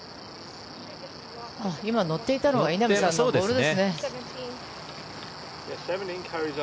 今乗っていたのが稲見さんのボールですね。